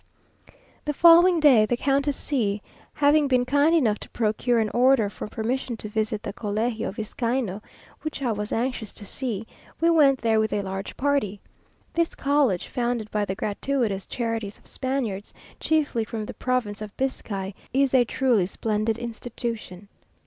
The following day, the Countess C a having been kind enough to procure an order for permission to visit the Colegio Vizcaino, which I was anxious to see, we went there with a large party. This college, founded by the gratuitous charities of Spaniards, chiefly from the province of Biscay, is a truly splendid institution.